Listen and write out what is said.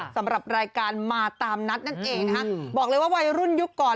สำหรับรายการมาตามนัดนั่นเองนะคะบอกเลยว่าวัยรุ่นยุคก่อน